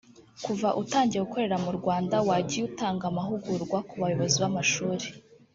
Kuva utangiye gukorera mu Rwanda wagiye utanga amahugurwa ku bayobozi b’amashuri